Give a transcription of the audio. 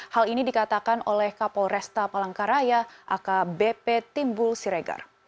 hal ini dikatakan oleh kapolresta palangkaraya akbp timbul siregar